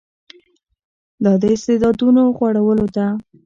دا د استعدادونو غوړولو ده.